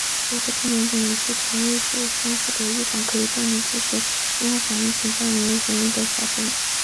钕和钌两种元素同位素丰度的异常可以证明自持性裂变核反应曾在奥克洛铀矿发生。